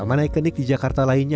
taman ikonik di jakarta lainnya